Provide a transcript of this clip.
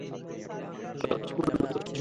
নতুন স্কুল, নতুন শহর।